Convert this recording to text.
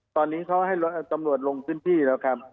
ตอนนี้เขาให้คุณศมรวชลงที่แล้วครับ